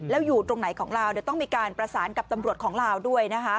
แล้วอยู่ตรงไหนของเราต้องมีการประสานกับตำรวจของเราด้วย